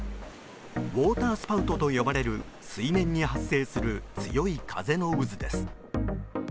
ウォータースパウトと呼ばれる水面に発生する強い風の渦です。